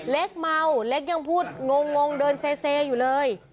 เล็กเมาเล็กยังพูดงงเดินเซอยู่เลย